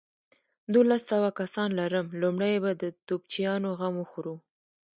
دوولس سوه کسان لرم، لومړۍ به د توپچيانو غم وخورو.